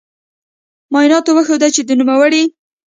معایناتو وښوده چې د نوموړې